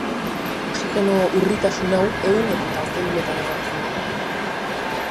Oxigeno urritasun hau ehun edota zeluletan agertzen da.